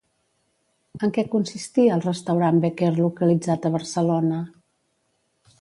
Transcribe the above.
En què consistia el restaurant Becquer localitzat a Barcelona?